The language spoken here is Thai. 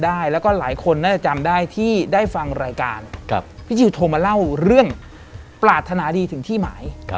ได้แต่ก็ไม่แนะนำ